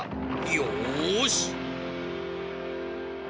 よし！